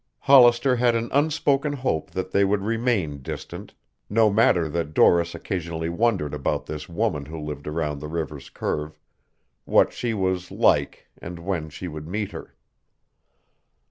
Hollister had an unspoken hope that they would remain distant, no matter that Doris occasionally wondered about this woman who lived around the river's curve, what she was like and when she would meet her.